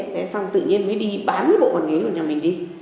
thế xong tự nhiên mới đi bán cái bộ bàn ghế của nhà mình đi